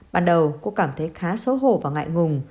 ban đầu cô cảm thấy khá xấu hổ và ngại ngùng